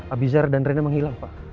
abizar dan rena menghilang pak